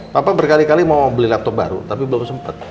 bapak berkali kali mau beli laptop baru tapi belum sempat